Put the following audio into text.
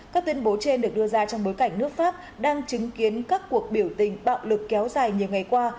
các tuyên bố trên được đưa ra trong bối cảnh nước pháp đang chứng kiến các cuộc biểu tình bạo lực kéo dài nhiều ngày qua